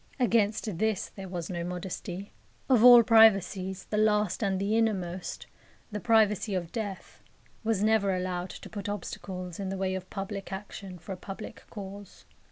Against this there was no modesty. Of all privacies, the last and the innermost the privacy of death was never allowed to put obstacles in the way of public action for a public cause.